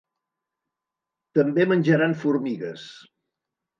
També menjaran formigues.